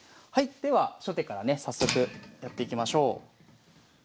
はいでは初手からね早速やっていきましょう。